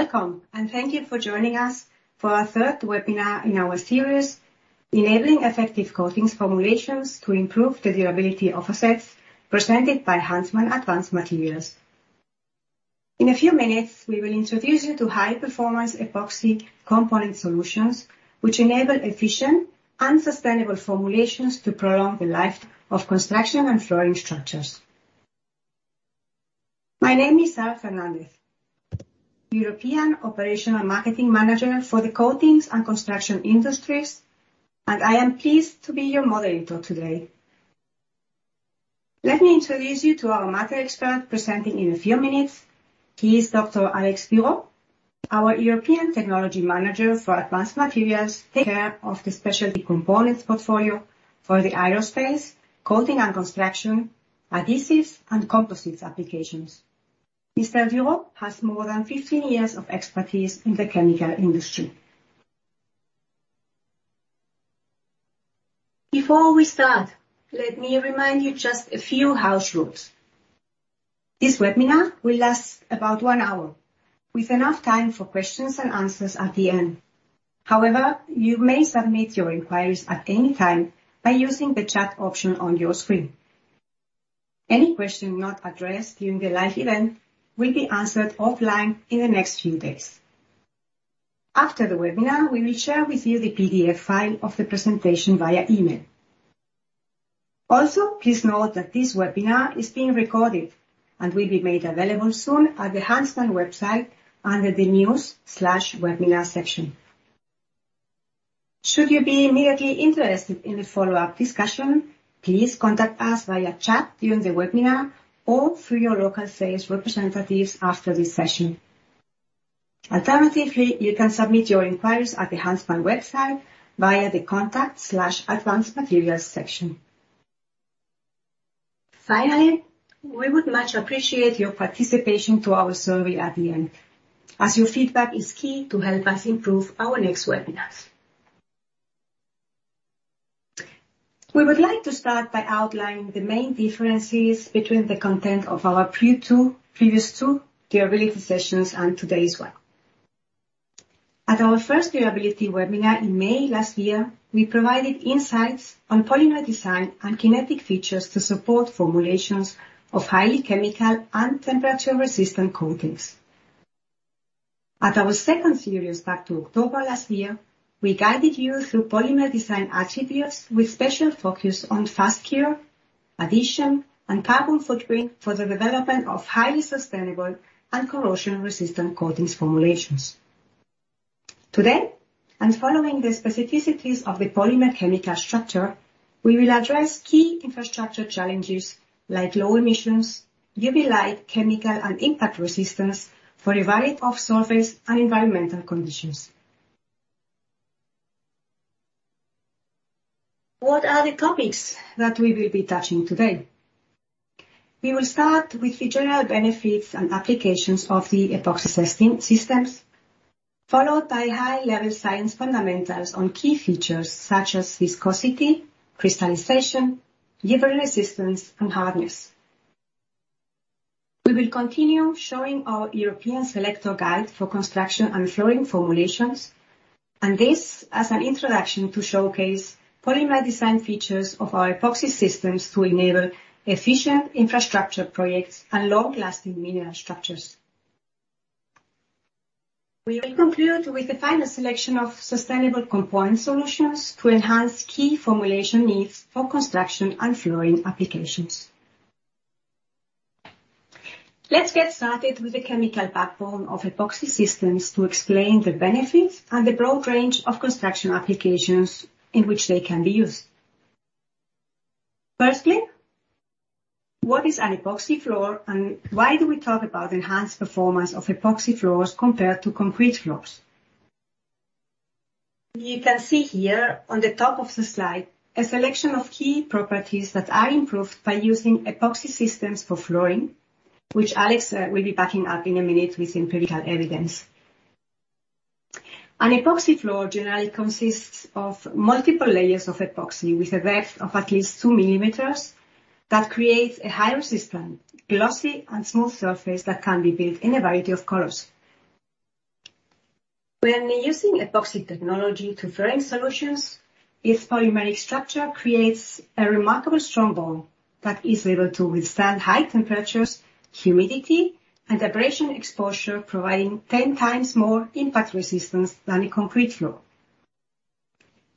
Welcome, and thank you for joining us for our third webinar in our series, Enabling Effective Coatings Formulations to Improve the Durability of Assets, presented by Huntsman Advanced Materials. In a few minutes, we will introduce you to high-performance epoxy component solutions which enable efficient and sustainable formulations to prolong the life of construction and flooring structures. My name is Elena Fernandez, European Operational Marketing Manager for the Coatings and Construction Industries, and I am pleased to be your moderator today. Let me introduce you to our subject matter expert presenting in a few minutes. He is Dr. Alex Dureault, our European Technology Manager for Advanced Materials, taking care of the specialty components portfolio for the aerospace, coating and construction, adhesives, and composites applications. Mr. Dureault has more than 15 years of expertise in the chemical industry. Before we start, let me remind you just a few house rules. This webinar will last about one hour, with enough time for questions-and-answers at the end. However, you may submit your inquiries at any time by using the chat option on your screen. Any question not addressed during the live event will be answered offline in the next few days. After the webinar, we will share with you the PDF file of the presentation via email. Also, please note that this webinar is being recorded and will be made available soon at the Huntsman website under the News/Webinar section. Should you be immediately interested in a follow-up discussion, please contact us via chat during the webinar or through your local sales representatives after this session. Alternatively, you can submit your inquiries at the Huntsman website via the Contact/Advanced Materials section. Finally, we would much appreciate your participation to our survey at the end, as your feedback is key to help us improve our next webinars. We would like to start by outlining the main differences between the content of our previous two durability sessions and today's one. At our first durability webinar in May last year, we provided insights on polymer design and kinetic features to support formulations of highly chemical and temperature-resistant coatings. At our second series back to October last year, we guided you through polymer design attributes with special focus on fast cure, adhesion, and carbon footprint for the development of highly sustainable and corrosion-resistant coatings formulations. Today, following the specificities of the polymer chemical structure, we will address key infrastructure challenges like low emissions, UV light, chemical and impact resistance for a variety of surface and environmental conditions. What are the topics that we will be touching today? We will start with the general benefits and applications of the epoxy systems, followed by high-level science fundamentals on key features such as viscosity, crystallization, chemical resistance, and hardness. We will continue showing our European Selector guide for construction and flooring formulations, and this as an introduction to showcase polymer design features of our epoxy systems to enable efficient infrastructure projects and long-lasting mineral structures. We will conclude with the final selection of sustainable component solutions to enhance key formulation needs for construction and flooring applications. Let's get started with the chemical backbone of epoxy systems to explain the benefits and the broad range of construction applications in which they can be used. Firstly, what is an epoxy floor and why do we talk about enhanced performance of epoxy floors compared to concrete floors? You can see here on the top of the slide a selection of key properties that are improved by using epoxy systems for flooring, which Alex will be backing up in a minute with empirical evidence. An epoxy floor generally consists of multiple layers of epoxy with a depth of at least 2 mm that creates a high-resistant, glossy, and smooth surface that can be built in a variety of colors. When using epoxy technology to flooring solutions, its polymeric structure creates a remarkable strong bond that is able to withstand high temperatures, humidity, and abrasion exposure, providing 10x impact resistance than a concrete floor.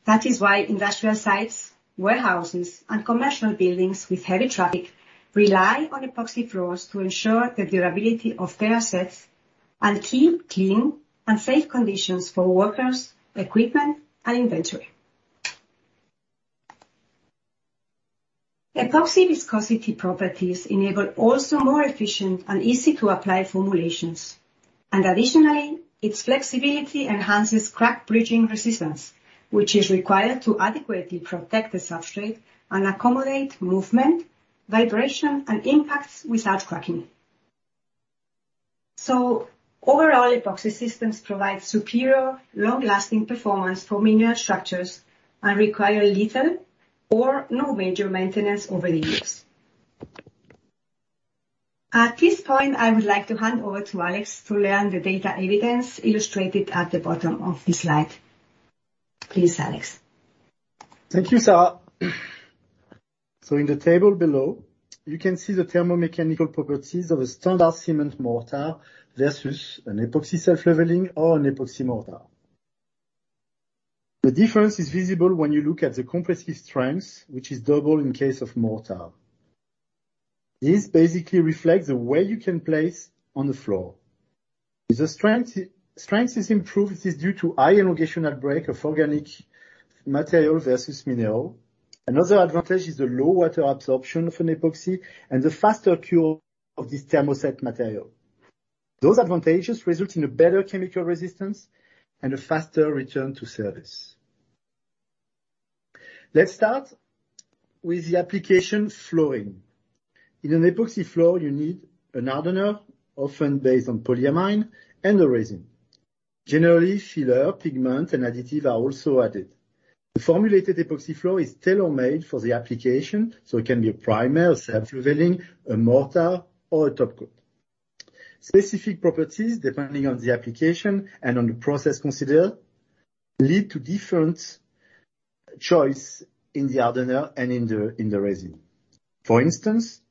That is why industrial sites, warehouses, and commercial buildings with heavy traffic rely on epoxy floors to ensure the durability of their assets and keep clean and safe conditions for workers, equipment, and inventory. Epoxy viscosity properties enable also more efficient and easy to apply formulations. Additionally, its flexibility enhances crack bridging resistance, which is required to adequately protect the substrate and accommodate movement, vibration, and impacts without cracking. Overall, epoxy systems provide superior long-lasting performance for mineral structures and require little or no major maintenance over the years. At this point, I would like to hand over to Alex to learn the data evidence illustrated at the bottom of this slide. Please, Alex. Thank you, Elena. In the table below, you can see the thermomechanical properties of a standard cement mortar versus an epoxy self-leveling or an epoxy mortar. The difference is visible when you look at the compressive strength, which is double in case of mortar. This basically reflects the way you can place on the floor. The strength is improved. This is due to high elongation at break of organic material versus mineral. Another advantage is the low water absorption of an epoxy and the faster cure of this thermoset material. Those advantages result in a better chemical resistance and a faster return to service. Let's start with the flooring application. In an epoxy floor, you need a hardener, often based on polyamine and a resin. Generally, filler, pigment, and additive are also added. The formulated epoxy floor is tailor-made for the application, so it can be a primer, self-leveling, a mortar or a topcoat. Specific properties, depending on the application and on the process considered, lead to different choice in the hardener and in the resin. For instance,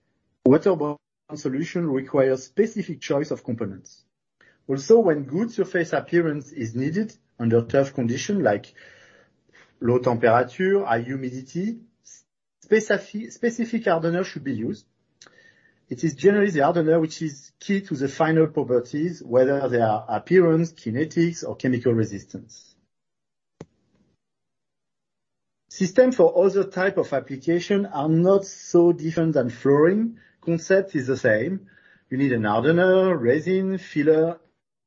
waterborne solution requires specific choice of components. Also, when good surface appearance is needed under tough condition, like low temperature, high humidity, specific hardener should be used. It is generally the hardener which is key to the final properties, whether they are appearance, kinetics, or chemical resistance. System for other type of application are not so different than flooring. Concept is the same. You need a hardener, resin, filler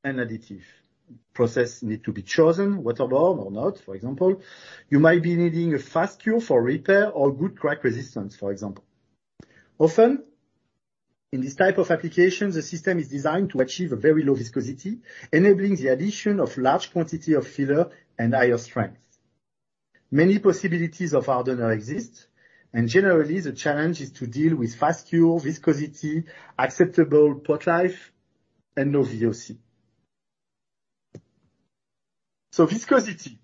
and additive. Process need to be chosen, waterborne or not, for example. You might be needing a fast cure for repair or good crack resistance, for example. Often, in this type of application, the system is designed to achieve a very low viscosity, enabling the addition of large quantity of filler and higher strength. Many possibilities of hardener exist, and generally the challenge is to deal with fast cure, viscosity, acceptable pot life and no VOC. Viscosity.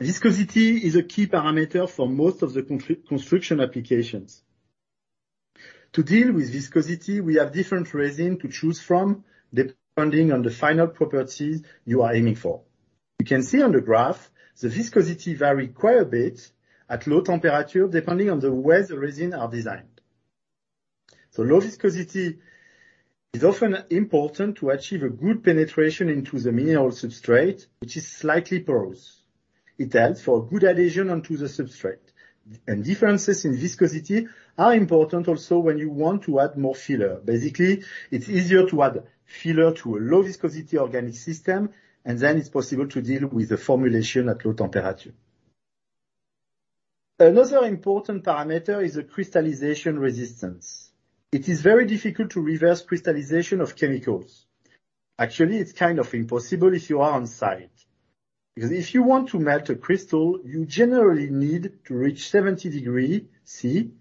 Viscosity is a key parameter for most of the construction applications. To deal with viscosity, we have different resin to choose from, depending on the final properties you are aiming for. You can see on the graph the viscosity vary quite a bit at low temperature, depending on the way the resin are designed. The low viscosity is often important to achieve a good penetration into the mineral substrate, which is slightly porous. It helps for good adhesion onto the substrate. Differences in viscosity are important also when you want to add more filler. Basically, it's easier to add filler to a low viscosity organic system, and then it's possible to deal with the formulation at low temperature. Another important parameter is the crystallization resistance. It is very difficult to reverse crystallization of chemicals. Actually, it's kind of impossible if you are on site, because if you want to melt a crystal, you generally need to reach 70 degrees C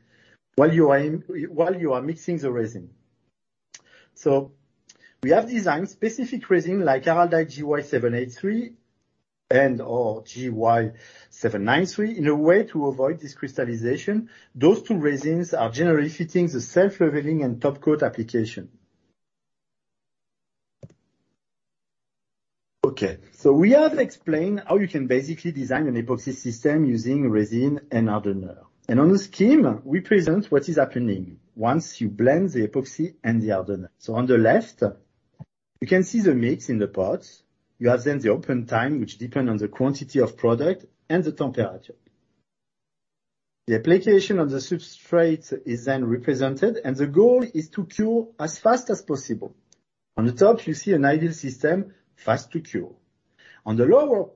while you are mixing the resin. We have designed specific resin like ARALDITE GY 783 and or ARALDITE GY 793 in a way to avoid this crystallization. Those two resins are generally fitting the self-leveling and topcoat application. Okay, we have explained how you can basically design an epoxy system using resin and hardener. On the scheme we present what is happening once you blend the epoxy and the hardener. On the left, you can see the mix in the pot. You have then the open time, which depend on the quantity of product and the temperature. The application of the substrate is then represented and the goal is to cure as fast as possible. On the top, you see an ideal system, fast to cure. On the lower,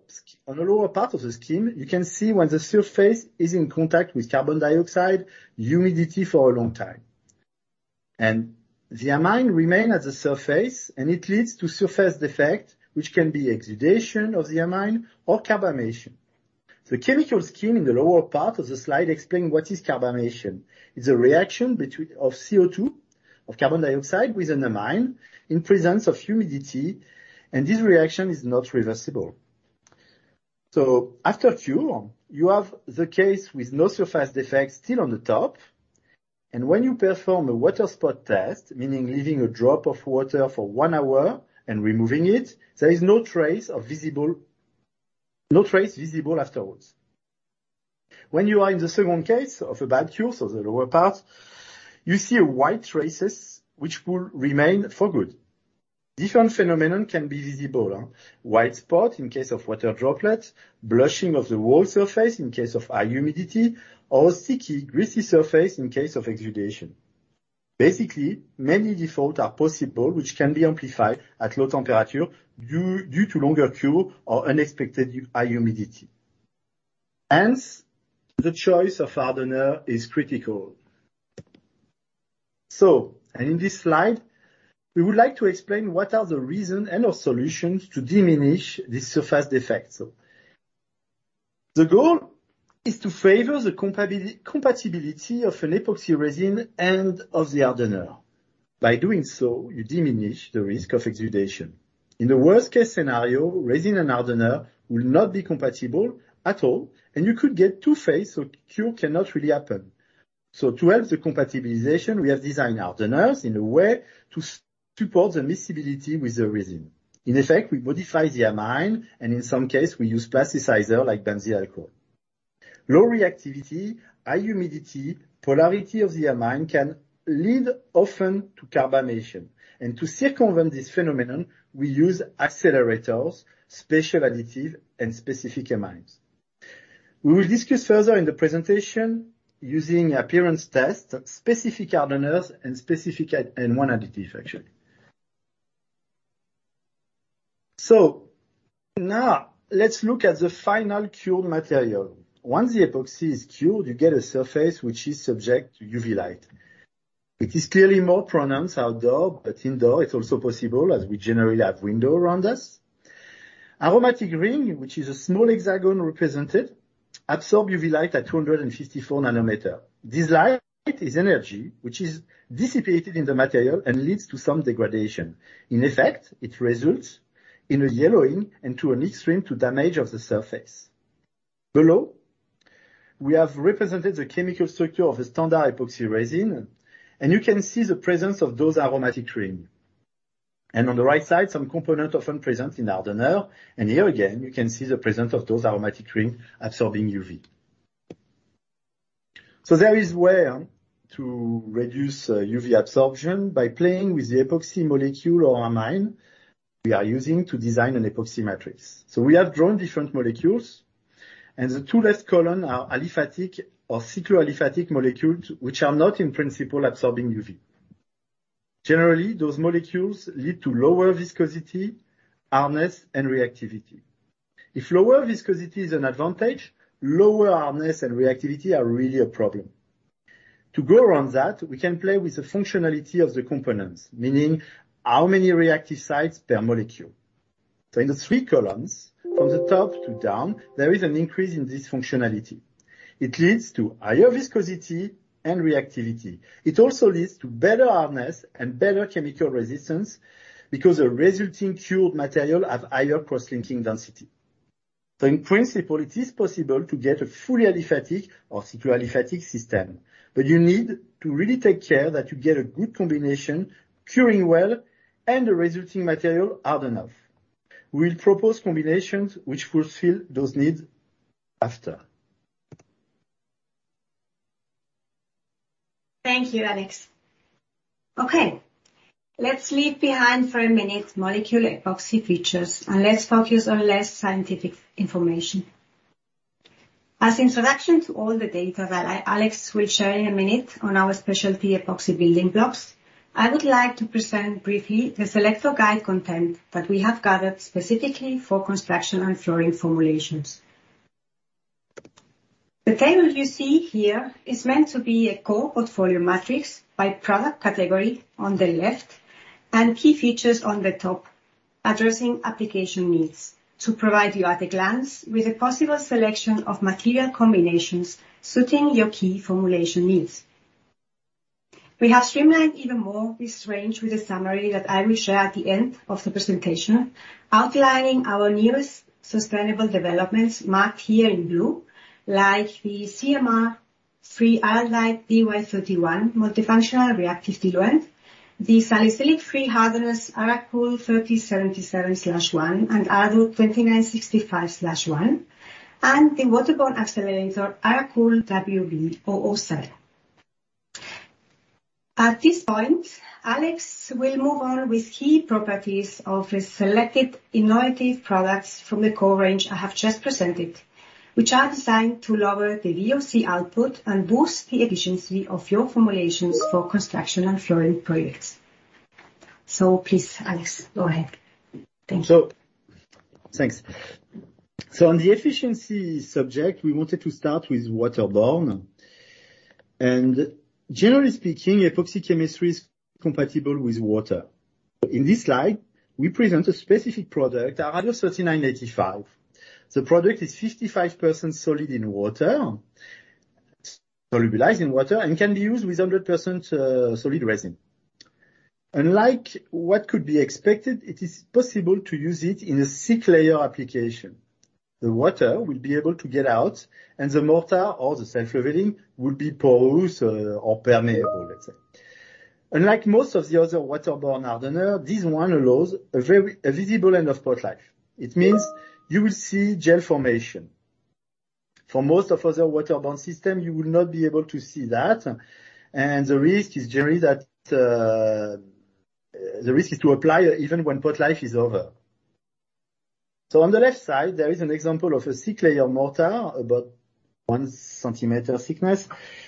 on the lower part of the scheme, you can see when the surface is in contact with carbon dioxide humidity for a long time, and the amine remain at the surface and it leads to surface defect which can be exudation of the amine or carbonation. The chemical scheme in the lower part of the slide explain what is carbonation. It's a reaction of CO2, carbon dioxide with the amine in presence of humidity. This reaction is not reversible. After a cure, you have the case with no surface defects still on the top. When you perform a water spot test, meaning leaving a drop of water for one hour and removing it, there is no trace visible afterwards. When you are in the second case of a bad cure, so the lower part, you see a white traces which will remain for good. Different phenomenon can be visible. White spot in case of water droplet, blushing of the wall surface in case of high humidity or sticky, greasy surface in case of exudation. Basically, many defects are possible which can be amplified at low temperature due to longer cure or unexpected high humidity. Hence, the choice of hardener is critical. In this slide, we would like to explain what are the reason and/or solutions to diminish this surface defects. The goal is to favor the compatibility of an epoxy resin and of the hardener. By doing so, you diminish the risk of exudation. In the worst case scenario, resin and hardener will not be compatible at all, and you could get two phase, so cure cannot really happen. To help the compatibilization, we have designed hardeners in a way to support the miscibility with the resin. In effect, we modify the amine, and in some case, we use plasticizer like benzyl alcohol. Low reactivity, high humidity, polarity of the amine can lead often to carbonation. To circumvent this phenomenon, we use accelerators, special additive, and specific amines. We will discuss further in the presentation using appearance test, specific hardeners and specific, and one additive, actually. Now let's look at the final cured material. Once the epoxy is cured, you get a surface which is subject to UV light. It is clearly more pronounced outdoors, but indoors it's also possible as we generally have windows around us. Aromatic rings, which is a small hexagon represented, absorb UV light at 254 nanometers. This light is energy which is dissipated in the material and leads to some degradation. In effect, it results in a yellowing and to an extreme to damage of the surface. Below, we have represented the chemical structure of a standard epoxy resin, and you can see the presence of those aromatic rings. On the right side, some components often present in hardener. Here again, you can see the presence of those aromatic rings absorbing UV. There is way to reduce UV absorption by playing with the epoxy molecule or amine we are using to design an epoxy matrix. We have drawn different molecules, and the two left column are aliphatic or cycloaliphatic molecules, which are not, in principle, absorbing UV. Generally, those molecules lead to lower viscosity, hardness, and reactivity. If lower viscosity is an advantage, lower hardness and reactivity are really a problem. To go around that, we can play with the functionality of the components, meaning how many reactive sites per molecule. In the three columns, from the top to down, there is an increase in this functionality. It leads to higher viscosity and reactivity. It also leads to better hardness and better chemical resistance because the resulting cured material have higher cross-linking density. In principle, it is possible to get a fully aliphatic or cycloaliphatic system, but you need to really take care that you get a good combination curing well and the resulting material hard enough. We'll propose combinations which fulfill those needs after. Thank you, Alex. Okay, let's leave behind for a minute molecular epoxy features, and let's focus on less scientific information. As introduction to all the data that Alex will share in a minute on our specialty epoxy building blocks, I would like to present briefly the Selector Guide content that we have gathered specifically for construction and flooring formulations. The table you see here is meant to be a core portfolio matrix by product category on the left and key features on the top, addressing application needs. To provide you at a glance with a possible selection of material combinations suiting your key formulation needs. We have streamlined even more this range with a summary that I will share at the end of the presentation, outlining our newest sustainable developments marked here in blue, like the CMR-free ARALDITE DY-31 multifunctional reactive diluent, the salicylic-free hardeners, ARA COOL 3077-1 and ARADUR 2965-1, and the waterborne accelerator ARA COOL WB 007. At this point, Alex will move on with key properties of a selected innovative products from the core range I have just presented, which are designed to lower the VOC output and boost the efficiency of your formulations for construction and flooring projects. Please, Alex, go ahead. Thank you. Thanks. On the efficiency subject, we wanted to start with waterborne. Generally speaking, epoxy chemistry is compatible with water. In this slide, we present a specific product, ARADUR 3985. The product is 55% solid in water, solubilized in water, and can be used with 100% solid resin. Unlike what could be expected, it is possible to use it in a thick layer application. The water will be able to get out, and the mortar or the self-leveling will be porous or permeable, let's say. Unlike most of the other waterborne hardener, this one allows a visible end of pot life. It means you will see gel formation. For most of other waterborne system, you will not be able to see that, and the risk is generally to apply even when pot life is over. On the left side, there is an example of a thick layer mortar, about 1 cm thickness,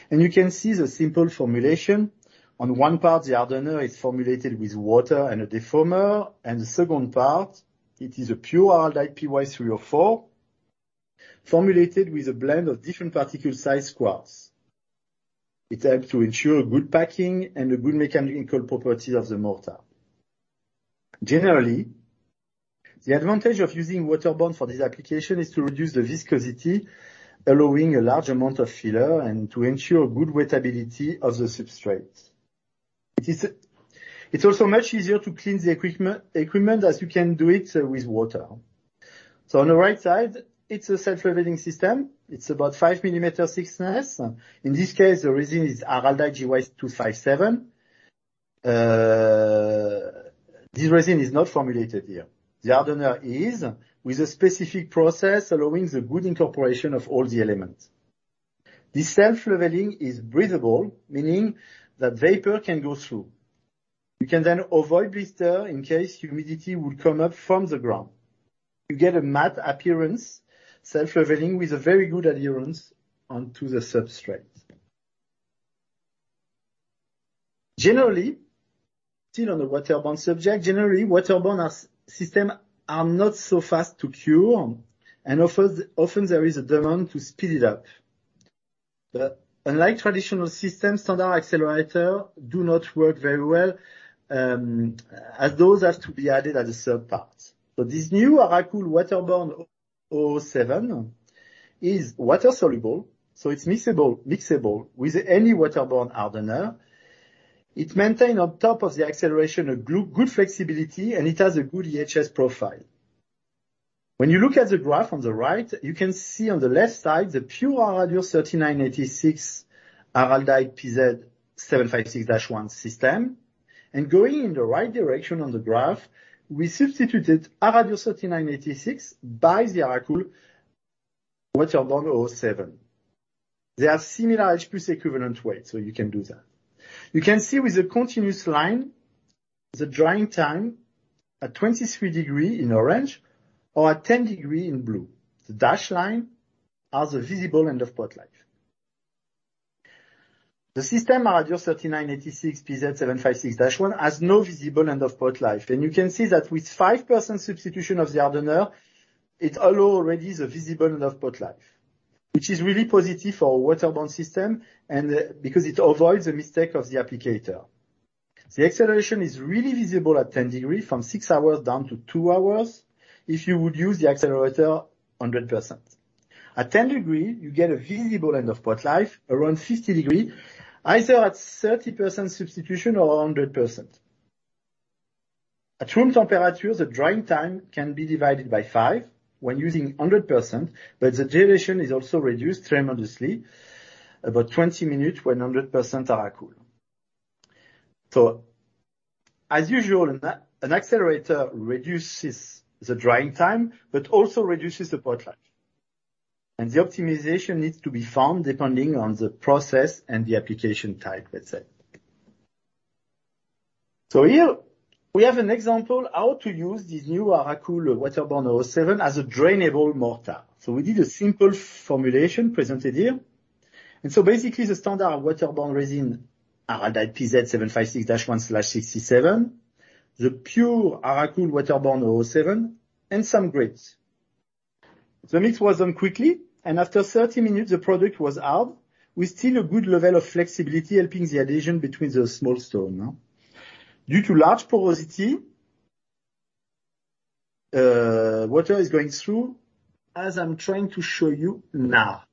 and you can see the simple formulation. On one part, the hardener is formulated with water and a defoamer. The second part, it is a pure ARALDITE PY 304, formulated with a blend of different particle size quartz. It helps to ensure good packing and good mechanical properties of the mortar. Generally, the advantage of using waterborne for this application is to reduce the viscosity, allowing a large amount of filler and to ensure good wettability of the substrate. It's also much easier to clean the equipment, as you can do it with water. On the right side, it's a self-leveling system. It's about 5 mm thickness. In this case, the resin is ARALDITE GY 257. This resin is not formulated here. The hardener is with a specific process allowing the good incorporation of all the elements. This self-leveling is breathable, meaning that vapor can go through. You can then avoid blistering in case humidity would come up from the ground. You get a matte appearance, self-leveling with a very good adherence onto the substrate. Generally, still on the waterborne subject, waterborne systems are not so fast to cure, and often there is a demand to speed it up. Unlike traditional systems, standard accelerator do not work very well, as those have to be added as a third part. This new ARA COOL WB 007 is water-soluble, so it's mixable with any water-borne hardener. It maintain on top of the acceleration a good flexibility, and it has a good EHS profile. When you look at the graph on the right, you can see on the left side the pure ARADUR 3986 ARALDITE PZ 756-1 system. Going in the right direction on the graph, we substituted ARADUR 3986 by the ARA COOL WB 007. They are similar as AHEW, so you can do that. You can see with the continuous line, the drying time at 23 degrees in orange or at 10 degrees in blue. The dashed line are the visible end of pot life. The system ARADUR 3986 PZ 756-1 has no visible end of pot life. You can see that with 5% substitution of the hardener, it allow already the visible end of pot life, which is really positive for waterborne system and because it avoids the mistake of the applicator. The acceleration is really visible at 10 degrees from six hours down to two hours if you would use the accelerator 100%. At 10 degrees, you get a visible end of pot life around 50 degrees, either at 30% substitution or 100%. At room temperature, the drying time can be divided by five when using 100%, but the duration is also reduced tremendously, about 20 minutes, 100% ARA COOL. As usual, an accelerator reduces the drying time but also reduces the pot life. The optimization needs to be found depending on the process and the application type, let's say. Here we have an example how to use this new ARA COOL WB 007 as a durable mortar. We did a simple formulation presented here. Basically the standard waterborne resin, ARALDITE PZ 756-1/67, the pure ARA COOL WB 007, and some grits. The mix was done quickly, and after 30 minutes, the product was hard with still a good level of flexibility, helping the adhesion between the small stone. Due to large porosity, water is going through, as I'm trying to show you now.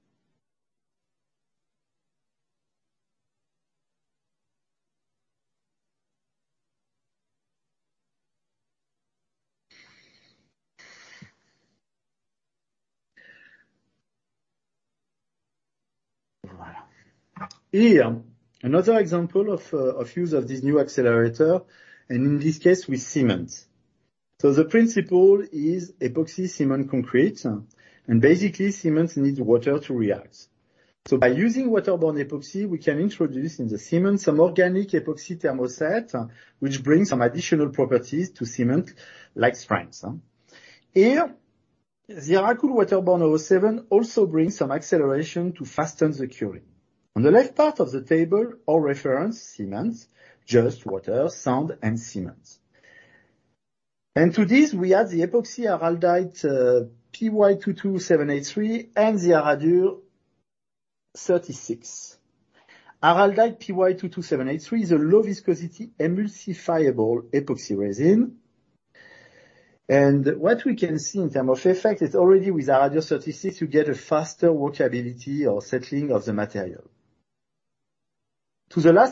Voilà. Here, another example of use of this new accelerator, and in this case with cement. The principle is epoxy cement concrete, and basically cement needs water to react. By using waterborne epoxy, we can introduce in the cement some organic epoxy thermoset, which brings some additional properties to cement like strengths. Here, the ARA COOL WB 007 also brings some acceleration to fasten the curing. On the left part of the table, our reference cements, just water, sand, and cements. To this, we add the epoxy ARALDITE PY 22783 and the ARADUR 36. ARALDITE PY 22783 is a low viscosity emulsifiable epoxy resin. What we can see in terms of effect is already with ARADUR 36 you get a faster workability or settling of the material.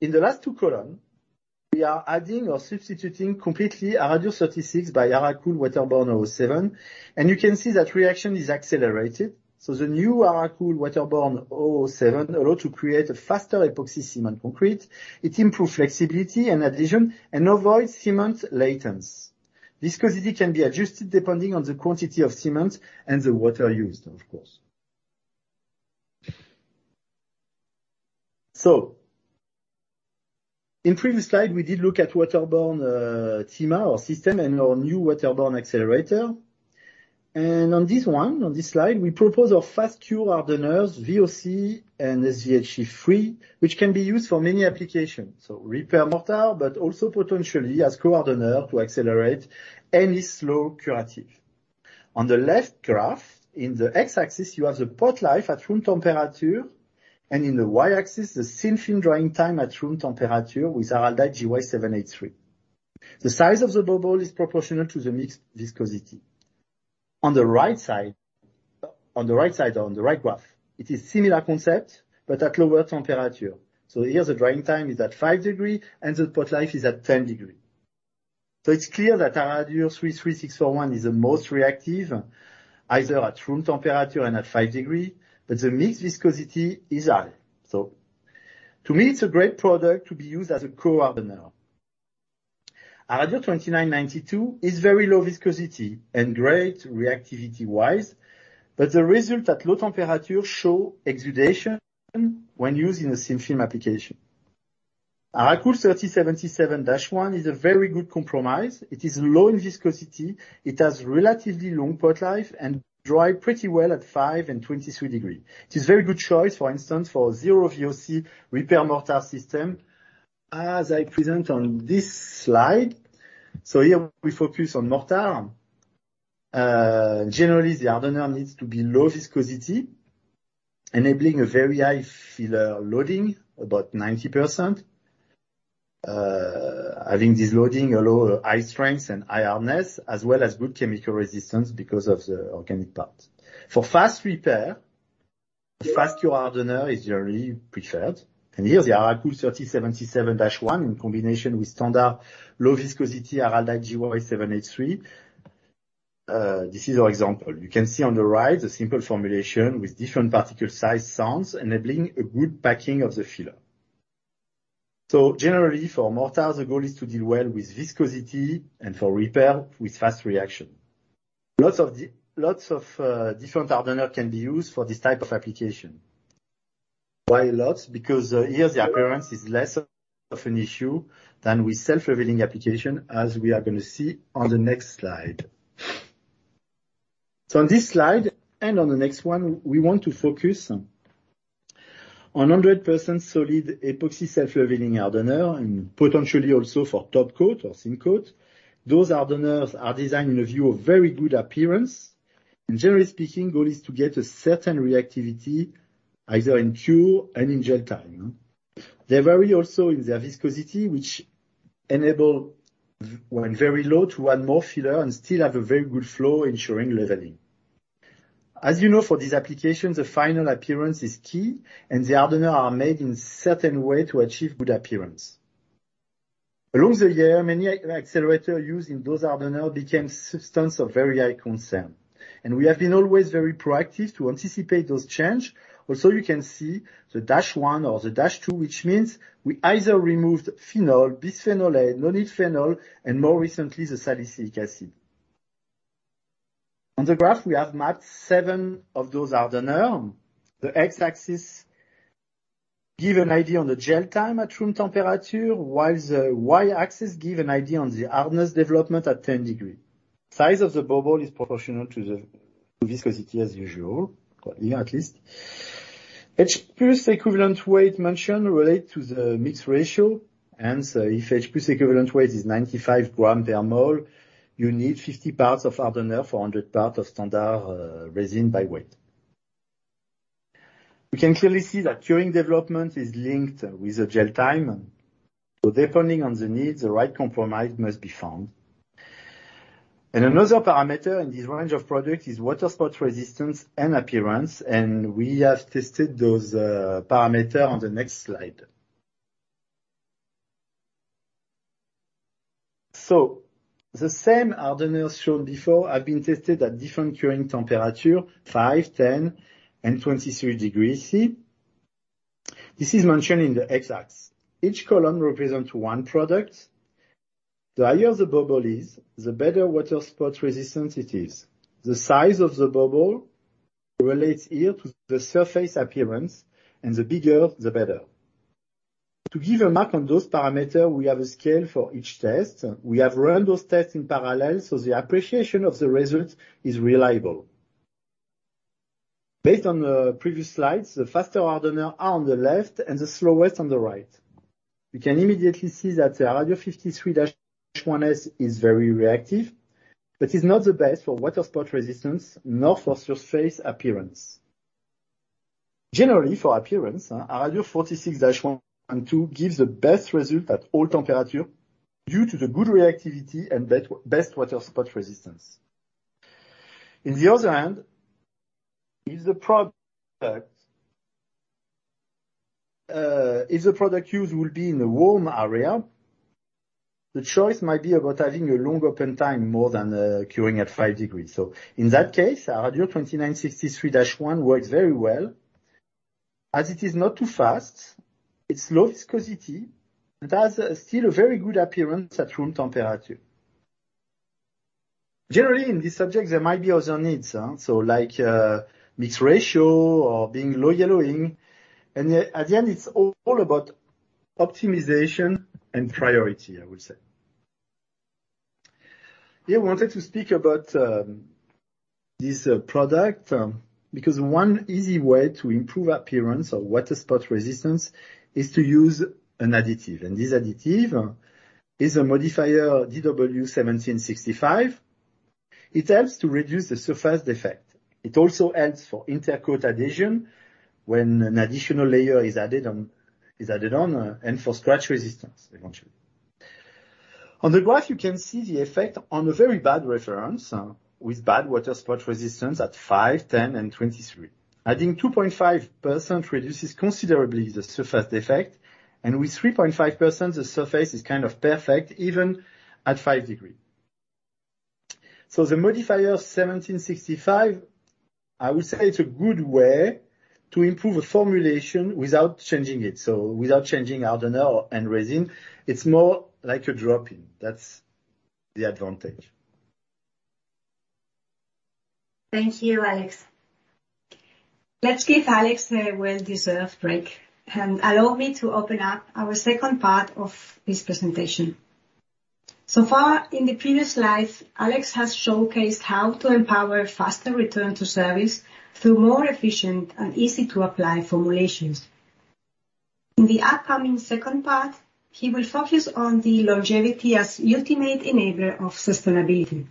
In the last two column, we are adding or substituting completely ARADUR 36 by ARA COOL WB 007, and you can see that reaction is accelerated. The new ARA COOL WB 007 allow to create a faster epoxy cement concrete. It improves flexibility and adhesion and avoids cement laitance. Viscosity can be adjusted depending on the quantity of cement and the water used, of course. In previous slide, we did look at waterborne epoxy system and our new waterborne accelerator. On this one, on this slide, we propose our fast cure hardeners, VOC and SVHC-free, which can be used for many applications. Repair mortar, but also potentially as co-hardener to accelerate any slow curative. On the left graph, in the X-axis, you have the pot life at room temperature, and in the Y-axis, the thin film drying time at room temperature with ARALDITE GY 783. The size of the bubble is proportional to the mix viscosity. On the right side or on the right graph, it is similar concept, but at lower temperature. Here, the drying time is at 5 degrees, and the pot life is at 10 degrees. It's clear that ARADUR 33641 is the most reactive, even at room temperature and at 5 degrees, but the mix viscosity is high. To me, it's a great product to be used as a co-hardener. ARADUR 2992 is very low viscosity and great reactivity-wise, but the result at low temperature show exudation when used in a thin film application. ARA COOL 3077-1 is a very good compromise. It is low in viscosity, it has relatively long pot life, and dry pretty well at 5 degrees and 23 degrees. It is very good choice, for instance, for zero VOC repair mortar system, as I present on this slide. Here, we focus on mortar. Generally, the hardener needs to be low viscosity, enabling a very high filler loading, about 90%. Having this loading allow high strengths and high hardness, as well as good chemical resistance because of the organic part. For fast repair, the fast cure hardener is really preferred. Here's the ARA COOL 3077-1 in combination with standard low viscosity ARALDITE GY 783. This is our example. You can see on the right the simple formulation with different particle size sands enabling a good packing of the filler. Generally, for mortar, the goal is to deal well with viscosity, and for repair, with fast reaction. Lots of different hardener can be used for this type of application. Why lots? Because, here, the appearance is less of an issue than with self-leveling application, as we are gonna see on the next slide. On this slide and on the next one, we want to focus on 100% solid epoxy self-leveling hardener and potentially also for top coat or thin coat. Those hardeners are designed in the view of very good appearance. Generally speaking, goal is to get a certain reactivity either in cure and in gel time. They vary also in their viscosity, which enable when very low to add more filler and still have a very good flow ensuring leveling. As you know, for these applications, the final appearance is key, and the hardener are made in certain way to achieve good appearance. Over the years, many accelerators used in those hardener became substance of very high concern, and we have been always very proactive to anticipate those change. You can see the dash one or the dash two, which means we either removed phenol, bisphenol A, nonylphenol, and more recently, the salicylic acid. On the graph, we have mapped seven of those hardener. The X-axis gives an idea on the gel time at room temperature, while the Y-axis gives an idea on the hardness development at 10 degrees. Size of the bubble is proportional to the viscosity as usual. Well, here at least. H+ equivalent weight mentioned relates to the mix ratio. If H+ equivalent weight is 95 grams per mole, you need 50 parts of hardener for a 100 parts of standard resin by weight. We can clearly see that curing development is linked with the gel time. Depending on the needs, the right compromise must be found. Another parameter in this range of product is water spot resistance and appearance, and we have tested those parameter on the next slide. The same hardeners shown before have been tested at different curing temperature, 5 degrees, 10 degrees and 23 degrees C. This is mentioned in the X-axis. Each column represents one product. The higher the bubble is, the better water spot resistance it is. The size of the bubble relates here to the surface appearance, and the bigger the better. To give a mark on those parameter, we have a scale for each test. We have run those tests in parallel, so the appreciation of the result is reliable. Based on the previous slides, the faster hardener are on the left and the slowest on the right. We can immediately see that the ARADUR 53-1 S is very reactive, but is not the best for water spot resistance nor for surface appearance. Generally, for appearance, ARADUR 46-1 and 46-2 gives the best result at all temperatures due to the good reactivity and best water spot resistance. On the other hand, if the product used will be in a warm area, the choice might be about having a long open time, more than curing at 5 degrees. In that case, ARADUR 2963-1 works very well. As it is not too fast, it's low viscosity, it has still a very good appearance at room temperature. Generally, in this subject, there might be other needs, so like, mix ratio or being low yellowing. At the end, it's all about optimization and priority, I would say. Here, I wanted to speak about this product because one easy way to improve appearance or water spot resistance is to use an additive. This additive is a Modifier DW 1765. It helps to reduce the surface defect. It also helps for inter-coat adhesion when an additional layer is added on, and for scratch resistance eventually. On the graph, you can see the effect on a very bad reference with bad water spot resistance at 5 degrees, 10 degrees, and 23 degrees. Adding 2.5% reduces considerably the surface defect, and with 3.5% the surface is kind of perfect even at 5 degree. The Modifier 1765, I would say it's a good way to improve a formulation without changing it, so without changing hardener or epoxy resin, it's more like a drop in. That's the advantage. Thank you, Alex. Let's give Alex a well-deserved break and allow me to open up our second part of this presentation. So far in the previous slides, Alex has showcased how to empower faster return to service through more efficient and easy-to-apply formulations. In the upcoming second part, he will focus on the longevity as ultimate enabler of sustainability.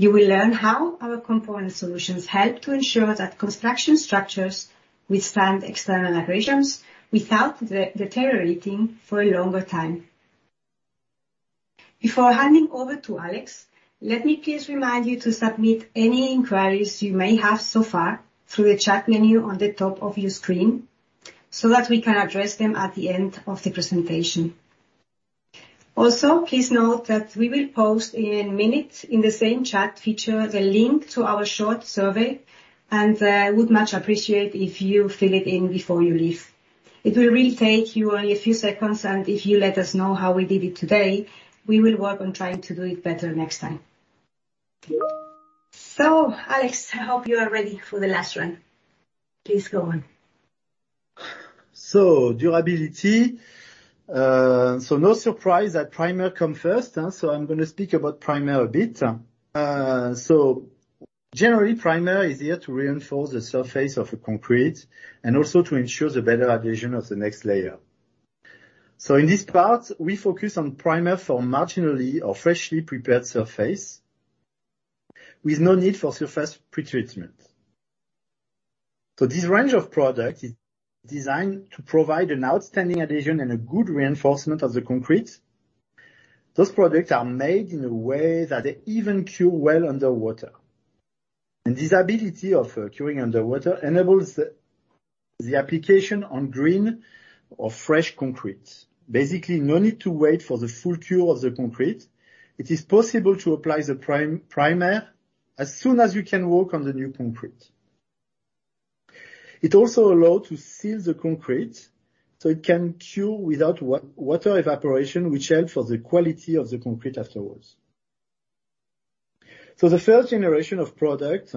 You will learn how our component solutions help to ensure that construction structures withstand external aggressions without deteriorating for a longer time. Before handing over to Alex, let me please remind you to submit any inquiries you may have so far through the chat menu on the top of your screen, so that we can address them at the end of the presentation. Also, please note that we will post in a minute in the same chat feature the link to our short survey, and I would much appreciate if you fill it in before you leave. It will really take you only a few seconds, and if you let us know how we did it today, we will work on trying to do it better next time. Alex, I hope you are ready for the last run. Please go on. Durability. No surprise that primer come first. I'm going to speak about primer a bit. Generally, primer is here to reinforce the surface of a concrete and also to ensure the better adhesion of the next layer. In this part, we focus on primer for marginally or freshly prepared surface with no need for surface pretreatment. This range of product is designed to provide an outstanding adhesion and a good reinforcement of the concrete. Those products are made in a way that they even cure well underwater. This ability of curing underwater enables the application on green or fresh concrete. Basically, no need to wait for the full cure of the concrete. It is possible to apply the primer as soon as you can walk on the new concrete. It also allow to seal the concrete so it can cure without water evaporation, which help for the quality of the concrete afterwards. The first generation of product,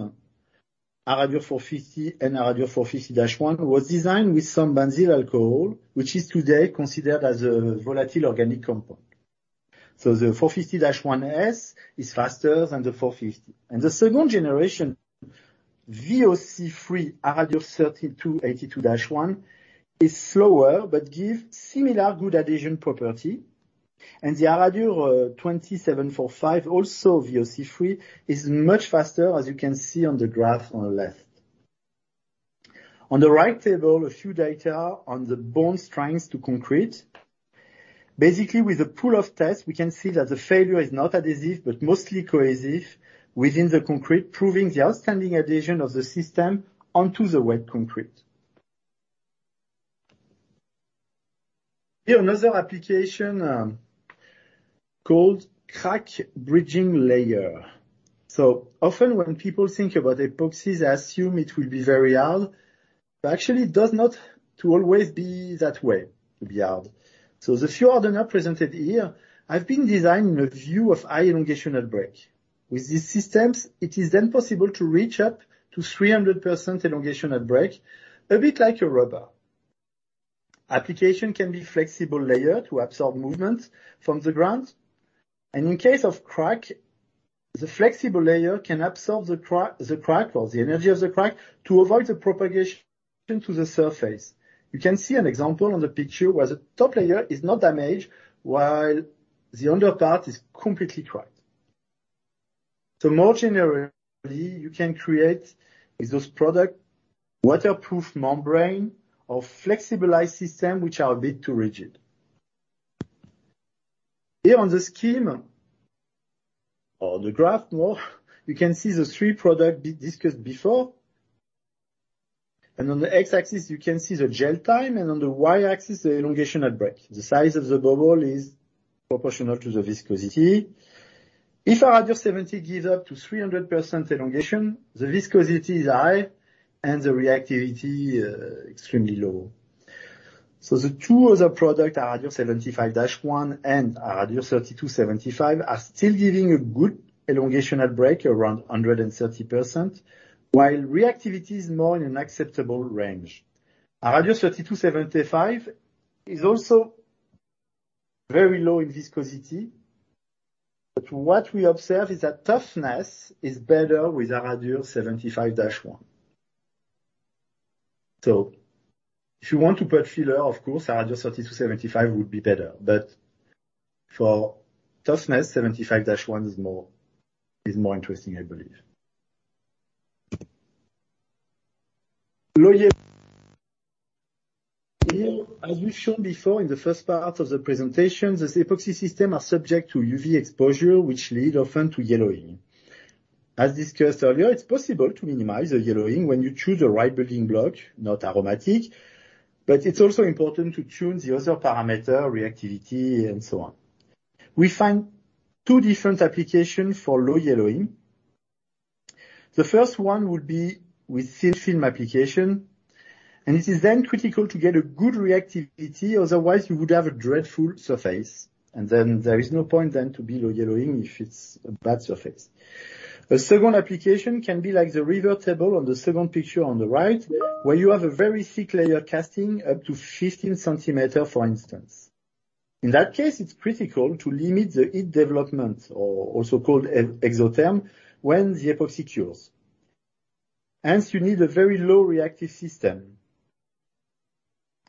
ARADUR 450 and ARADUR 450-1, was designed with some benzyl alcohol, which is today considered as a volatile organic compound. The 450-1 S is faster than the 450. The second generation, VOC-free ARADUR 3282-1 is slower but give similar good adhesion property. The ARADUR 2745, also VOC-free, is much faster, as you can see on the graph on the left. On the right table, a few data on the bond strengths to concrete. Basically, with a pull-off test, we can see that the failure is not adhesive, but mostly cohesive within the concrete, proving the outstanding adhesion of the system onto the wet concrete. Here, another application, called crack bridging layer. Often when people think about epoxies, they assume it will be very hard, but actually it does not to always be that way, to be hard. The few hardener presented here have been designed in a view of high elongational break. With these systems, it is then possible to reach up to 300% elongational break, a bit like a rubber. Application can be flexible layer to absorb movements from the ground, and in case of crack, the flexible layer can absorb the crack or the energy of the crack to avoid the propagation to the surface. You can see an example on the picture where the top layer is not damaged while the under part is completely cracked. More generally, you can create with those products waterproof membranes or flexibilized systems which are a bit too rigid. Here, on the scheme or the graph, more you can see the three products discussed before. On the x-axis you can see the gel time and on the y-axis the elongation at break. The size of the bubble is proportional to the viscosity. If ARADUR 70 gives up to 300% elongation, the viscosity is high and the reactivity extremely low. The two other products, ARADUR 75-1 and ARADUR 3275, are still giving a good elongation at break around 130%, while reactivity is more in an acceptable range. ARADUR 3275 is also very low in viscosity, but what we observe is that toughness is better with ARADUR 75-1. So if you want to put filler, of course, ARADUR 3275 would be better, but for toughness, 75-1 is more interesting, I believe. Low yellowing. Here, as we've shown before in the first part of the presentation, this epoxy system are subject to UV exposure, which lead often to yellowing. As discussed earlier, it's possible to minimize the yellowing when you choose the right building block, not aromatic, but it's also important to tune the other parameter reactivity and so on. We find two different applications for low yellowing. The first one would be with thin film application, and it is then critical to get a good reactivity, otherwise you would have a dreadful surface, and then there is no point then to be low yellowing if it's a bad surface. A second application can be like the river table on the second picture on the right, where you have a very thick layer casting up to 15 cm, for instance. In that case, it's critical to limit the heat development, or also called exotherm, when the epoxy cures. Hence, you need a very low reactive system.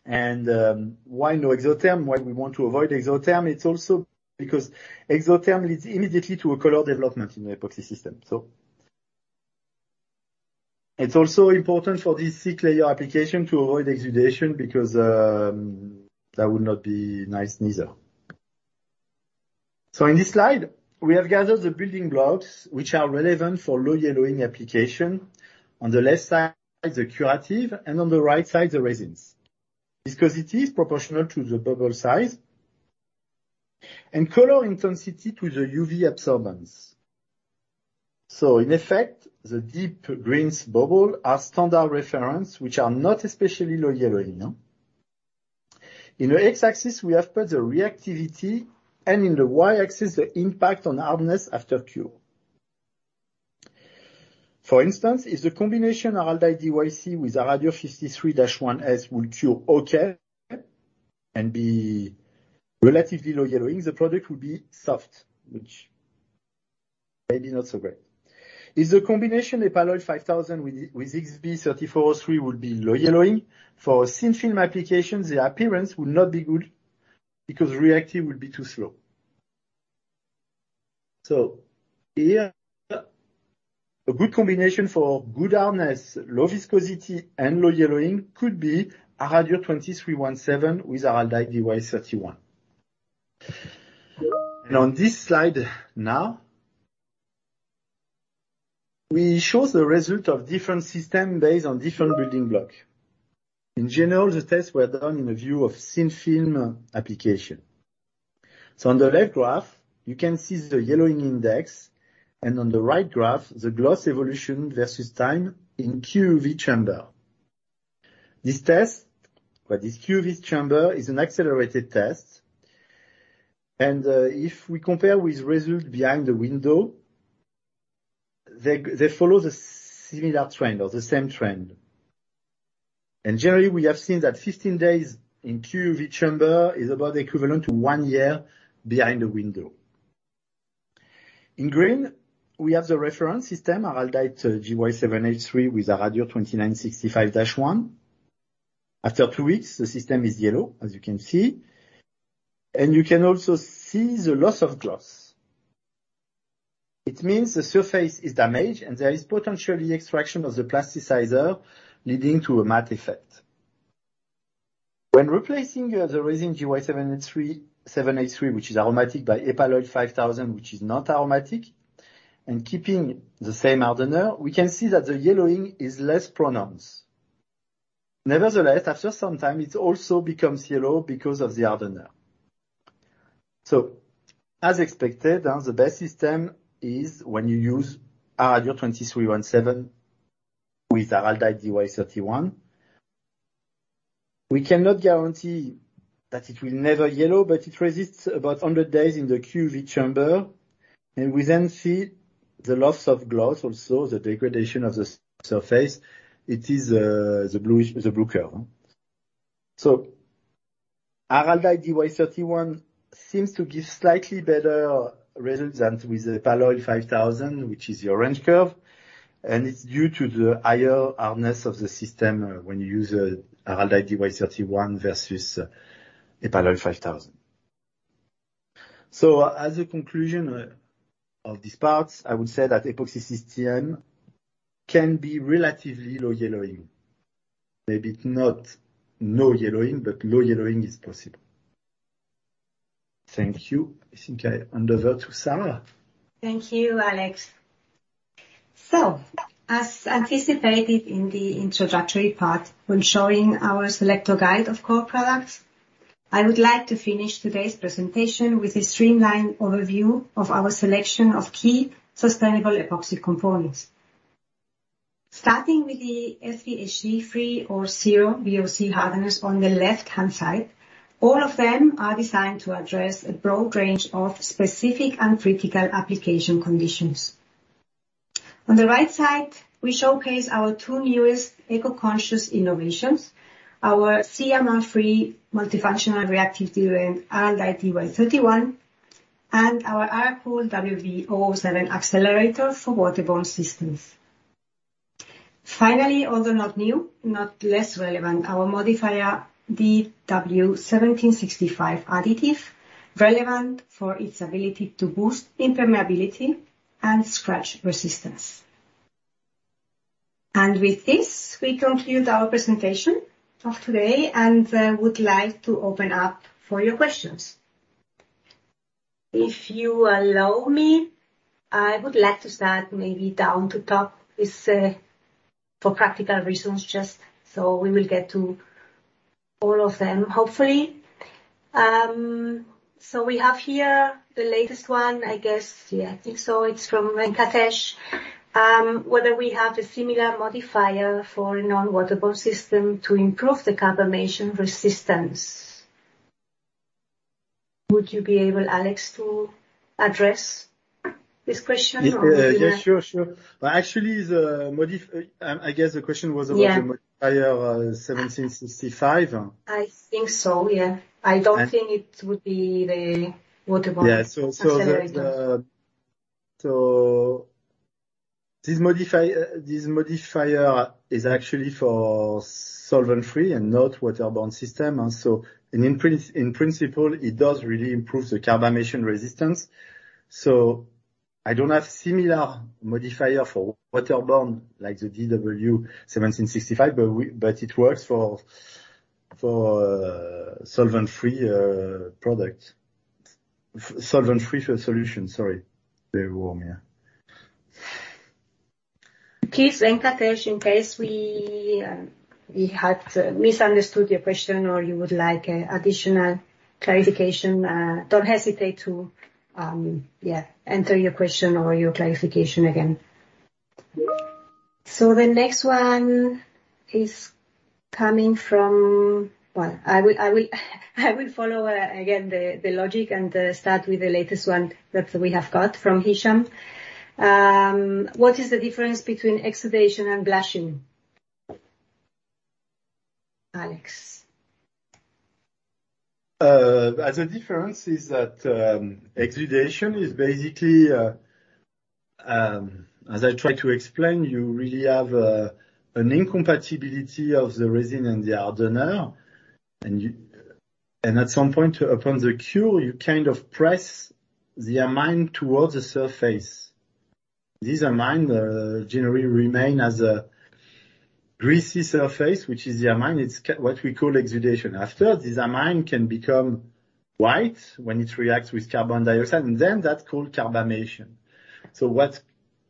Why no exotherm? Why we want to avoid exotherm? It's also because exotherm leads immediately to a color development in the epoxy system. It's also important for this thick layer application to avoid exudation because that would not be nice neither. In this slide, we have gathered the building blocks which are relevant for low yellowing application. On the left side, the curative, and on the right side, the resins. Viscosity is proportional to the bubble size and color intensity to the UV absorbance. In effect, the deep green bubbles are standard reference, which are not especially low yellowing. In the X-axis we have put the reactivity, and in the Y-axis the impact on hardness after cure. For instance, if the combination of ARALDITE GY with ARADUR 53-1 S will cure okay and be relatively low yellowing, the product will be soft, which maybe not so great. If the combination EPALLOY 5000 with XB 3403 will be low yellowing. For thin film applications, the appearance will not be good because reactive will be too slow. Here, a good combination for good hardness, low viscosity and low yellowing could be ARALDITE 2317 with ARALDITE DY-31. On this slide now, we show the result of different system based on different building block. In general, the tests were done in a view of thin film application. On the left graph, you can see the yellowing index, and on the right graph, the gloss evolution versus time in QUV chamber. This test for this QUV chamber is an accelerated test, and if we compare with result behind the window, they follow the similar trend or the same trend. Generally, we have seen that 15 days in QUV chamber is about equivalent to one year behind the window. In green, we have the reference system, ARALDITE GY 783 with ARALDITE 2965-1. After two weeks, the system is yellow, as you can see, and you can also see the loss of gloss. It means the surface is damaged, and there is potentially extraction of the plasticizer, leading to a matte effect. When replacing the resin GY 783, which is aromatic, by EPALLOY 5000, which is not aromatic, and keeping the same hardener, we can see that the yellowing is less pronounced. Nevertheless, after some time it also becomes yellow because of the hardener. As expected, the best system is when you use ARALDITE 2317 with ARALDITE DY-31. We cannot guarantee that it will never yellow, but it resists about 100 days in the QUV chamber, and we then see the loss of gloss. Also, the degradation of the surface. It is the blue curve. ARALDITE DY-31 seems to give slightly better result than with EPALLOY 5000, which is the orange curve. It's due to the higher hardness of the system when you use ARALDITE DY-31 versus EPALLOY 5000. As a conclusion of these parts, I would say that epoxy system can be relatively low yellowing. Maybe not no yellowing, but low yellowing is possible. Thank you. I think I hand over to Elena. Thank you, Alex. As anticipated in the introductory part when showing our selector guide of core products, I would like to finish today's presentation with a streamlined overview of our selection of key sustainable epoxy components. Starting with the SVHC free or zero VOC hardeners on the left-hand side, all of them are designed to address a broad range of specific and critical application conditions. On the right side, we showcase our two newest eco-conscious innovations, our CMR free multifunctional reactive diluent ARALDITE DY-31 and our ARA COOL WB 007 accelerator for waterborne systems. Finally, although not new, not less relevant, our modifier Modifier DW 1765 additive, relevant for its ability to boost impermeability and scratch resistance. With this, we conclude our presentation of today and would like to open up for your questions. If you allow me, I would like to start maybe down to top with for practical reasons, just so we will get to all of them, hopefully. We have here the latest one, I guess. Yeah, I think so. It's from Venkatesh. Whether we have a similar modifier for non-waterborne system to improve the carbamation resistance. Would you be able, Alex, to address this question or would you like? Yeah. Sure, sure. Actually, I guess the question was. Yeah... About the Modifier 1765. I think so, yeah. I don't think it would be the waterborne. Yeah. This modifier is actually for solvent-free and not waterborne system. In principle, it does really improve the carbamation resistance. I don't have similar modifier for waterborne like the Modifier DW 1765, but it works for solvent-free product. Solvent-free solution. Sorry. Very warm, yeah. Please, Venkatesh, in case we had misunderstood your question or you would like additional clarification, don't hesitate to, yeah, enter your question or your clarification again. The next one is coming from. Well, I will follow again the logic and start with the latest one that we have got from Hisham. What is the difference between exudation and blushing? Alex. The difference is that, as I tried to explain, you really have an incompatibility of the resin and the hardener. You at some point upon the cure, you kind of press the amine towards the surface. This amine generally remain as a greasy surface, which is the amine. It's what we call exudation. After, this amine can become white when it reacts with carbon dioxide, and then that's called carbamation.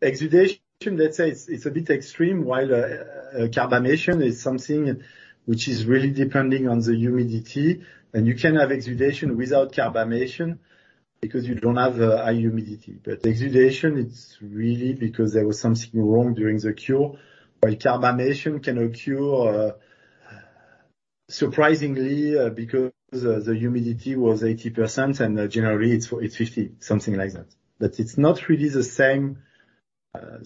Exudation, let's say it's a bit extreme, while carbamation is something which is really depending on the humidity. You can have exudation without carbamation because you don't have high humidity. Exudation, it's really because there was something wrong during the cure. While carbamation can occur, surprisingly, because the humidity was 80% and generally it's 50%, something like that. It's not really the same.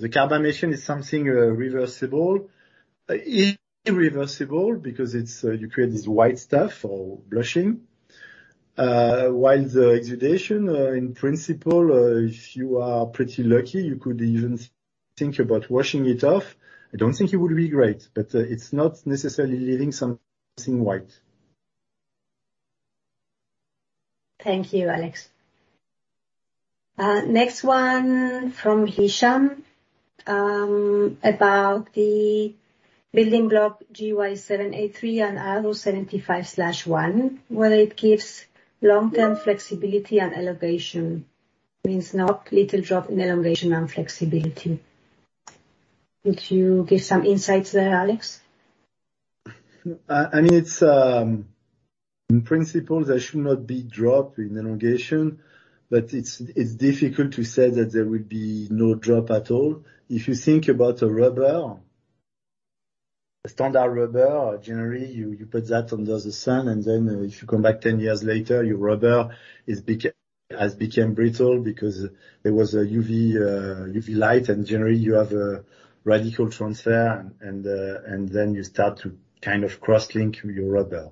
The carbamation is something reversible. Irreversible because it's you create this white stuff or blushing. While the exudation, in principle, if you are pretty lucky, you could even think about washing it off. I don't think it would be great, but it's not necessarily leaving something white. Thank you, Alex. Next one from Hisham, about the building block GY 783 and ARADUR 75-1, whether it gives long-term flexibility and elongation. Means not little drop in elongation and flexibility. Could you give some insights there, Alex? I mean, it's in principle, there should not be drop in elongation, but it's difficult to say that there will be no drop at all. If you think about a rubber, a standard rubber, generally, you put that under the sun, and then if you come back 10 years later, your rubber is has became brittle because there was a UV light, and generally you have a radical transfer and then you start to kind of cross-link your rubber.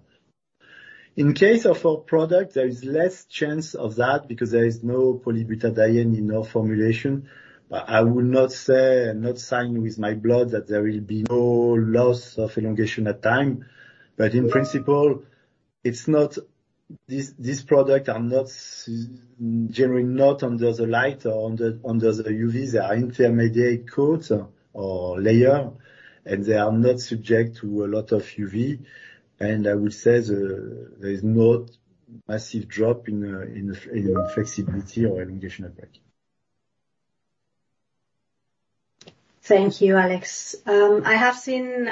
In case of our product, there is less chance of that because there is no polybutadiene in our formulation. I will not say and not sign with my blood that there will be no loss of elongation at time. In principle, it's not. This product is not generally not under the light or under UV. They are intermediate coats or layer, and they are not subject to a lot of UV. I will say there is no massive drop in flexibility or elongation at break. Thank you, Alex. I have seen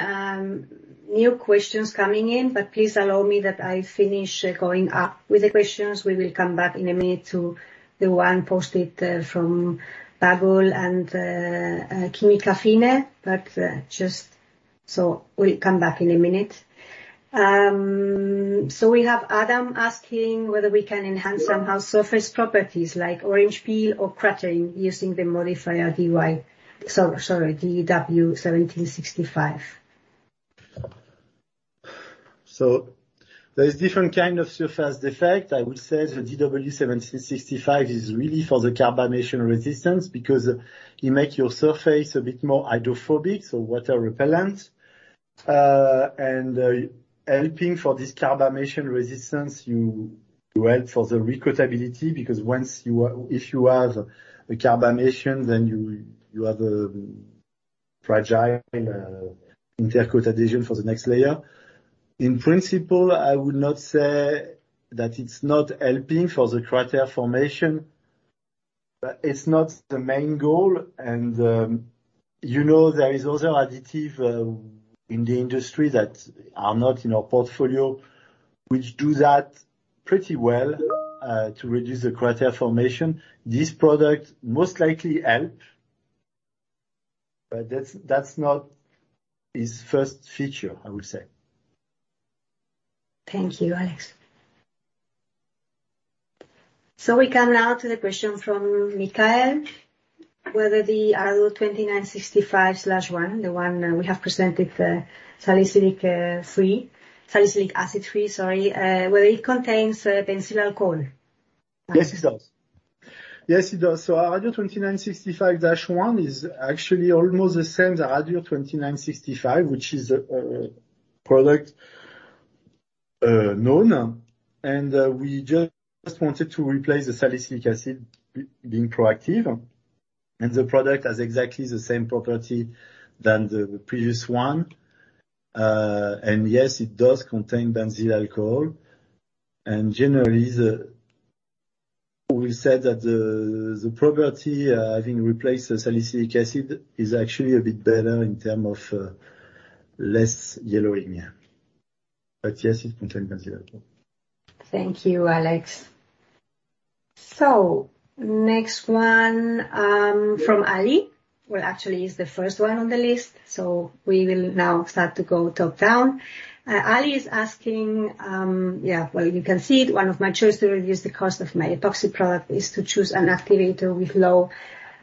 new questions coming in, but please allow me that I finish going up with the questions. We will come back in a minute to the one posted from Bagul and Khimika Fine. Just so we'll come back in a minute. We have Adam asking whether we can enhance somehow surface properties like orange peel or cratering using the Modifier DW 1765. There is different kind of surface effect. I would say the DW 1765 is really for the carbonation resistance because you make your surface a bit more hydrophobic, so water repellent, helping for this carbonation resistance, you help for the recoatability, because if you have a carbonation, then you have a fragile intercoat adhesion for the next layer. In principle, I would not say that it's not helping for the crater formation, but it's not the main goal. You know, there is other additive in the industry that are not in our portfolio, which do that pretty well to reduce the crater formation. This product most likely help, but that's not its first feature, I would say. Thank you, Alex. We come now to the question from Mikael, whether the ARADUR 2965-1, the one we have presented, salicylic acid free, sorry, whether it contains benzyl alcohol. Alex? Yes, it does. ARADUR 2965-1 is actually almost the same as ARADUR 2965, which is a product known, and we just wanted to replace the salicylic acid being proactive. The product has exactly the same property than the previous one. Yes, it does contain benzyl alcohol. Generally we said that the property having replaced the salicylic acid is actually a bit better in terms of less yellowing. Yes, it contains benzyl alcohol. Thank you, Alex. Next one, from Ali. Well, actually, it's the first one on the list, so we will now start to go top down. Ali is asking, well, you can see it. "One of my choice to reduce the cost of my epoxy product is to choose an activator with low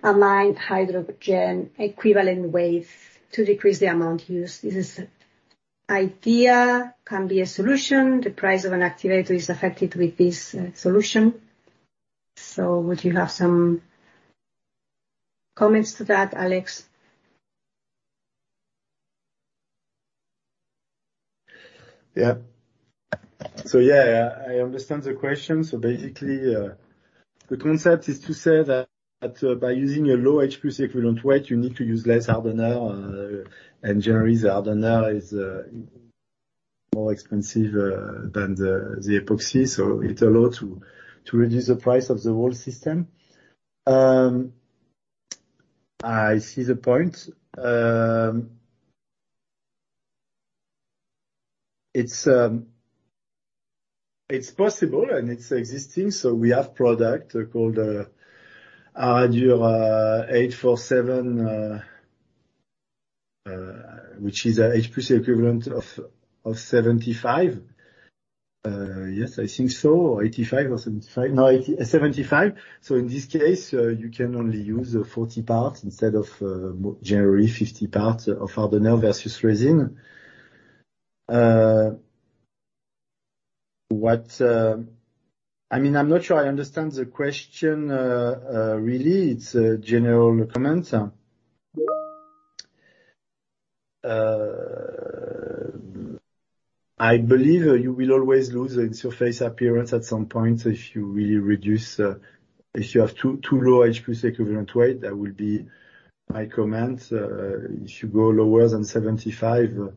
amine hydrogen equivalent weight to decrease the amount used. Is this idea can be a solution? The price of an activator is affected with this solution." Would you have some comments to that, Alex? Yeah. Yeah, I understand the question. Basically, the concept is to say that by using a low AHEW, you need to use less hardener, and generally the hardener is more expensive than the epoxy. It allows to reduce the price of the whole system. I see the point. It's possible, and it's existing. We have product called ARADUR 847, which is a AHEW of 75. Yes, I think so. 85 or 75? No, 75. In this case, you can only use 40 parts instead of generally 50 parts of hardener versus resin. I mean, I'm not sure I understand the question really. It's a general comment. I believe you will always lose in surface appearance at some point if you really reduce if you have too low AHEW. That would be my comment. If you go lower than 75,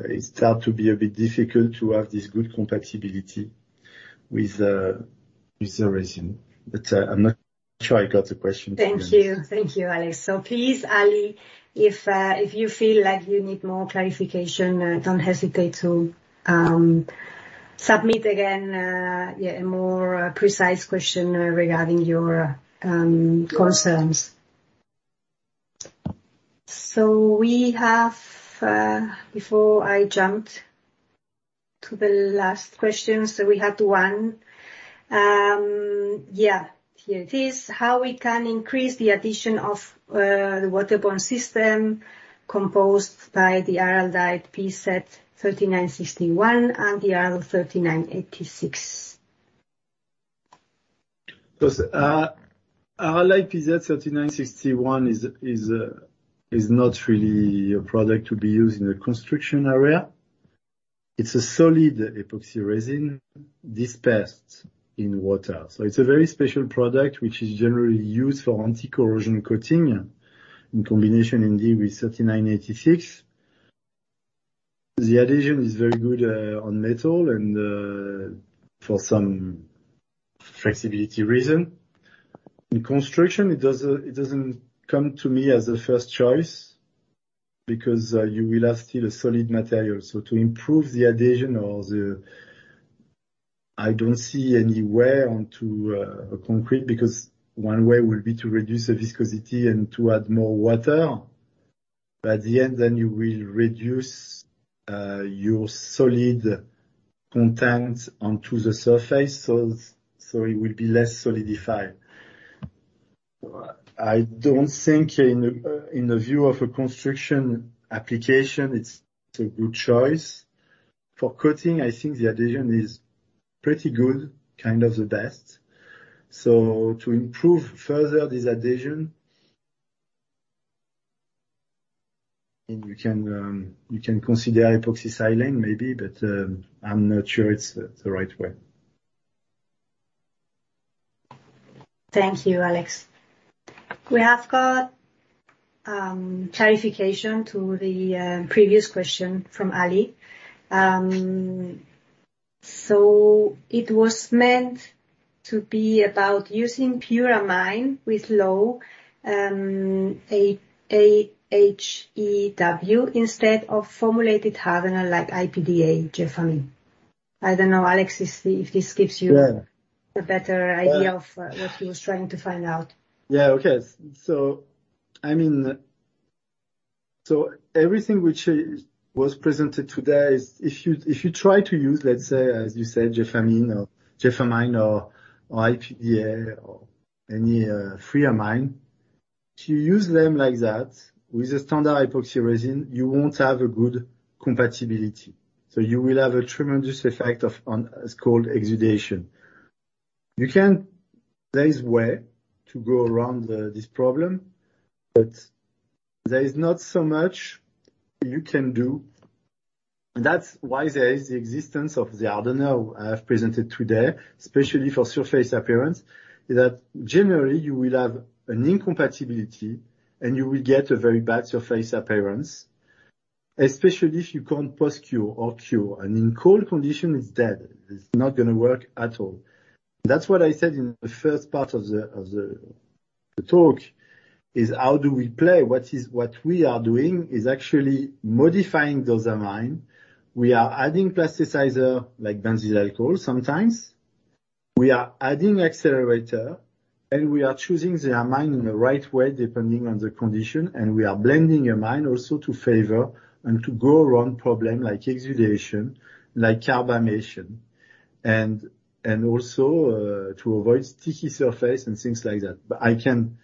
it start to be a bit difficult to have this good compatibility with the resin. I'm not sure I got the question correct. Thank you. Thank you, Alex. Please, Ali, if you feel like you need more clarification, don't hesitate to submit again, a more precise question regarding your concerns. We have before I jumped to the last question. We had one. Here it is. "How we can increase the addition of the waterborne system composed by the ARALDITE PZ 3961 and the ARADUR 3986? ARALDITE PZ 3961-1 is not really a product to be used in a construction area. It's a solid epoxy resin dispersed in water. It's a very special product which is generally used for anti-corrosion coating in combination indeed with ARADUR 3986. The adhesion is very good on metal and for some flexibility reason. In construction, it doesn't come to me as a first choice because you will have still a solid material. To improve the adhesion I don't see any way onto a concrete, because one way will be to reduce the viscosity and to add more water. At the end then you will reduce your solid content onto the surface, so it will be less solidified. I don't think in the view of a construction application, it's a good choice. For coating, I think the adhesion is pretty good, kind of the best. To improve further this adhesion, and you can consider epoxysilane maybe, but I'm not sure it's the right way. Thank you, Alex. We have got clarification to the previous question from Ali. It was meant to be about using pure amine with low AHEW instead of formulated hardener like IPDA JEFFAMINE. I don't know, Alex, if this gives you- Yeah. A better idea of what he was trying to find out. Yeah. Okay. I mean, everything which was presented today is if you try to use, let's say, as you said, JEFFAMINE or IPDA or any free amine, to use them like that with a standard epoxy resin, you won't have a good compatibility. You will have a tremendous effect on so-called exudation. There is a way to go around this problem, but there is not so much you can do. That's why there is the existence of the hardener I have presented today, especially for surface appearance. Generally you will have an incompatibility, and you will get a very bad surface appearance, especially if you can't post-cure or cure. In cold condition, it's dead. It's not gonna work at all. That's what I said in the first part of the talk, is how do we play? What we are doing is actually modifying those amine. We are adding plasticizer like benzyl alcohol sometimes. We are adding accelerator, and we are choosing the amine in the right way depending on the condition, and we are blending amine also to favor and to go around problem like exudation, like carbonation, and also to avoid sticky surface and things like that. But I can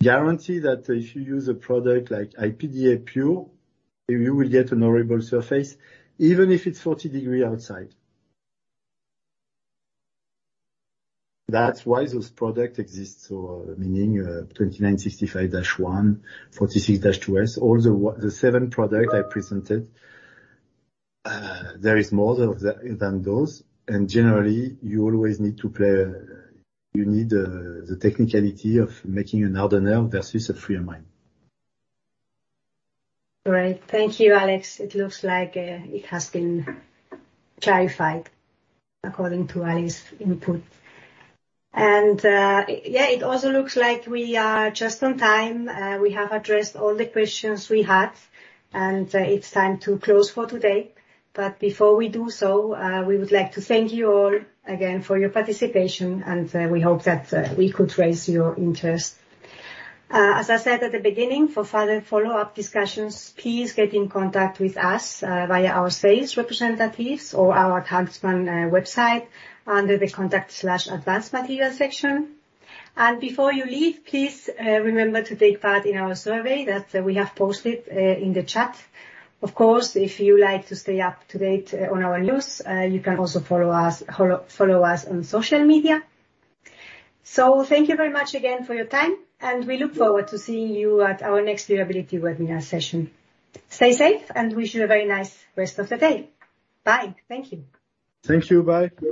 guarantee that if you use a product like IPDA pure, you will get a horrible surface, even if it's 40 degree outside. That's why this product exists, so meaning 2965-1, 46-2 S. All the seven product I presented, there is more than those. Generally, you always need to weigh the technicality of making a hardener versus a free amine. All right. Thank you, Alex. It looks like it has been clarified according to Ali's input. Yeah, it also looks like we are just on time. We have addressed all the questions we had, and it's time to close for today. Before we do so, we would like to thank you all again for your participation, and we hope that we could raise your interest. As I said at the beginning, for further follow-up discussions, please get in contact with us via our sales representatives or our Huntsman website under the contact/advanced materials section. Before you leave, please remember to take part in our survey that we have posted in the chat. Of course, if you like to stay up to date on our news, you can also follow us on social media. Thank you very much again for your time, and we look forward to seeing you at our next durability webinar session. Stay safe, and wish you a very nice rest of the day. Bye. Thank you. Thank you. Bye.